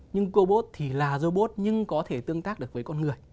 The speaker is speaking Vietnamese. nhưng cô bốt thì là robot nhưng có thể tương tác được với con người